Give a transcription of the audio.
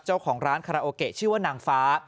เจ้าของร้านคาราโอเกะชื่อว่านางฟ้า